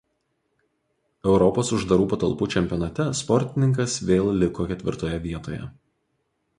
Europos uždarų patalpų čempionate sportininkas vėl liko ketvirtoje vietoje.